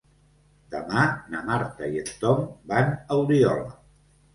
Demà na Marta i en Tom van a Oriola.